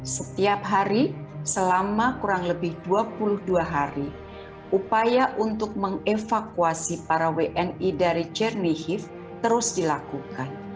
setiap hari selama kurang lebih dua puluh dua hari upaya untuk mengevakuasi para wni dari cherni hiv terus dilakukan